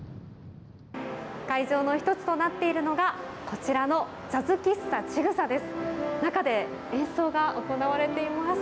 会場の１つとなっているのがこちらのジャズ喫茶「ちぐさ」です。